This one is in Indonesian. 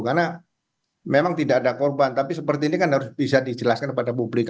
karena memang tidak ada korban tapi seperti ini kan harus bisa dijelaskan kepada publik